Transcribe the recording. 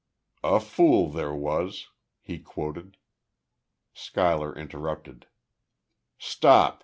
"'A fool there was';" he quoted. Schuyler interrupted. "Stop!"